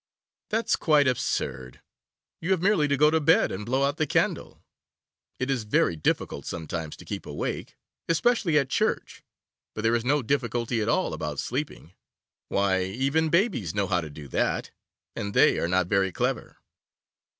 'That's quite absurd! You have merely to go to bed and blow out the candle. It is very difficult sometimes to keep awake, especially at church, but there is no difficulty at all about sleeping. Why, even babies know how to do that, and they are not very clever.